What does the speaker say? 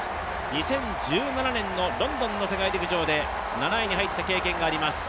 ２０１７年のロンドンの世界陸上で７位に入った経験があります。